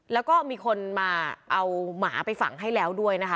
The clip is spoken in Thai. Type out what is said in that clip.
แล้วก็มีคนมาเอาหมาไปฝังให้แล้วด้วยนะคะ